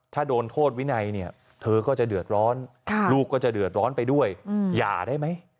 ถ้าโดนโทษวินัยเนี่ยเธอก็จะเดือดร้อนลูกก็จะเดือดร้อนไปด้วยหย่าได้ไหม